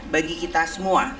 bagi kita semua